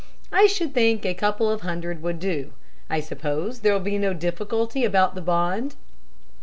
I should think a couple of hundred would do. I suppose there'll be no difficulty about the bond?"